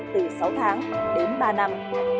từ sáu tháng đến ba năm